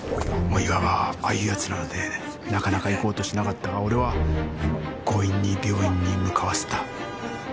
大岩はああいう奴なのでなかなか行こうとしなかったが俺は強引に病院に向かわせた。